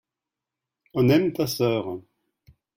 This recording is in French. on aime ta sœur.